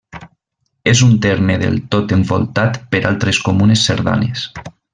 És un terme del tot envoltat per altres comunes cerdanes.